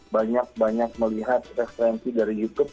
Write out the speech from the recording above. banyak banyak melihat referensi dari youtube